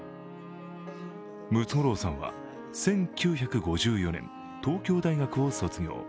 ムツゴロウさんは１９５４年、東京大学を卒業。